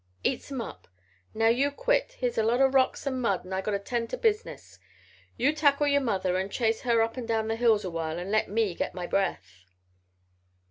"Eats 'em up. Now you quit. Here's a lot o' rocks and mud and I got to tend to business. You tackle yer mother and chase her up and down the hills a while and let me get my breath."